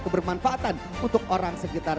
kebermanfaatan untuk orang sekitar